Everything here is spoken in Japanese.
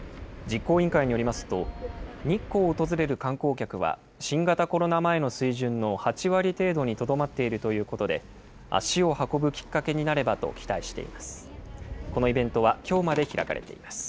実行委員会によりますと、日光を訪れる観光客は、新型コロナ前の水準の８割程度にとどまっているということで、足を運ぶきっかけになればと期待しています。